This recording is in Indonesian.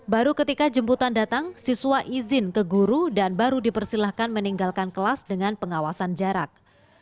baru ketika jemputan datang siswa izin ke guru dan baru dipersilahkan meninggalkan kelas dengan pengawasan jarak